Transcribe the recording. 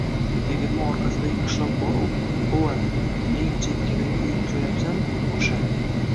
— Tegirmon orqasidagi qishloq bor-u, hov ana, eng chekkadagi uyni koʻryapsanmi — oʻsha